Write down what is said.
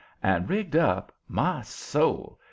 And rigged up my soul!